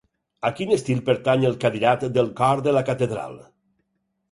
A quin estil pertany el cadirat del cor de la catedral?